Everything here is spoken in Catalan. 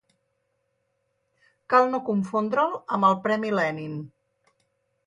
Cal no confondre'l amb el Premi Lenin.